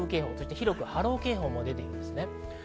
広く波浪警報も出ています。